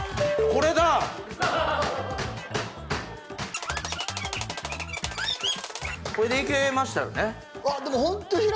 これでいけましたよね